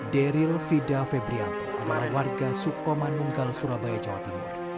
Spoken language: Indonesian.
daryl fida febrianto adalah warga sukoma nunggal surabaya jawa timur